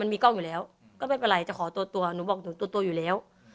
มีกล้องอยู่แล้วก็ไม่เป็นไรจะขอตัวตัวหนูบอกหนูตัวอยู่แล้ว